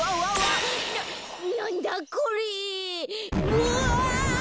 うわ！